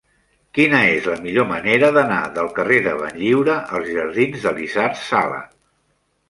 Quina és la millor manera d'anar del carrer de Benlliure als jardins d'Elisard Sala?